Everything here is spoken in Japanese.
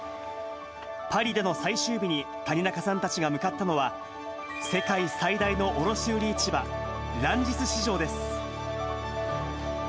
パリでの最終日に谷中さんたちが向かったのは、世界最大の卸売市場、ランジス市場です。